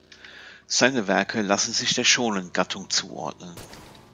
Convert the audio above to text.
Seine Werke lassen sich der Shōnen-Gattung zuordnen.